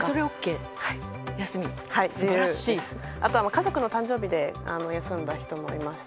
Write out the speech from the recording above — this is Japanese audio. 家族の誕生日で休んだ人もいます。